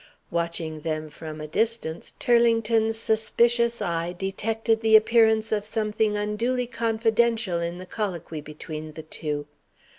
Watching them from a distance, Turlington's suspicious eye detected the appearance of something unduly confidential in the colloquy between the two.